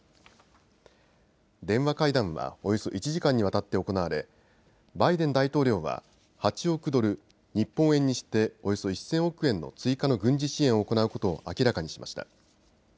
電話会談は、およそ１時間にわたって行われバイデン大統領は８億ドル、日本円にしておよそ１０００億円の追加の軍事支援を行うことを明らかにしました。